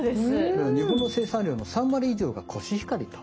だから日本の生産量の３割以上がコシヒカリと。